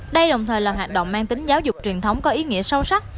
đây đồng thời là hoạt động mang tính giáo dục truyền thống có ý nghĩa sâu sắc